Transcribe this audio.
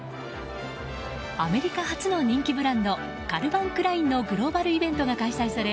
アメリカ発の人気ブランドカルバン・クラインのグローバルイベントが開催され